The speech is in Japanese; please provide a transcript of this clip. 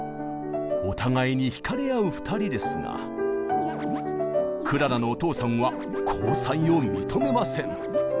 お互いに引かれ合う２人ですがクララのお父さんは交際を認めません。